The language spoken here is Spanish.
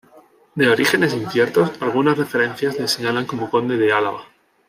De orígenes inciertos, algunas referencias le señalan como conde de Alava.